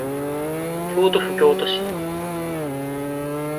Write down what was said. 京都府京都市